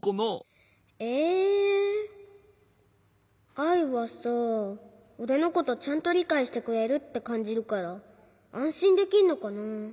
アイはさおれのことちゃんとりかいしてくれるってかんじるからあんしんできんのかな？